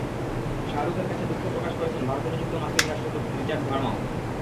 শাহরুখের কাছে দুঃখ প্রকাশ করেছেন ভারতে নিযুক্ত মার্কিন রাষ্ট্রদূত রিচার্ড ভার্মাও।